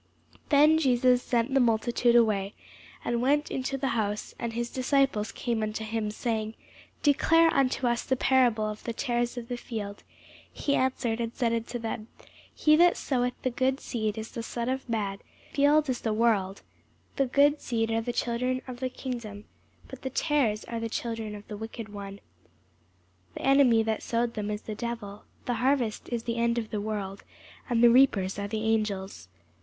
Then Jesus sent the multitude away, and went into the house: and his disciples came unto him, saying, Declare unto us the parable of the tares of the field. He answered and said unto them, He that soweth the good seed is the Son of man; the field is the world; the good seed are the children of the kingdom; but the tares are the children of the wicked one; the enemy that sowed them is the devil; the harvest is the end of the world; and the reapers are the angels.